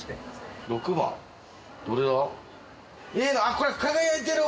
これ輝いてる。